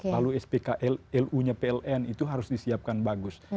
lalu spklu nya pln itu harus disiapkan bagus